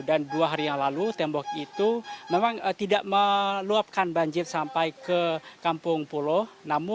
dan dua hari yang lalu tembok itu memang tidak meluapkan banjir sampai ke kampung pulau